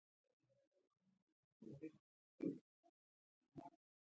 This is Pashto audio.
چې په سولري انرژۍ سره یې رایستل د دې باعث شویدي.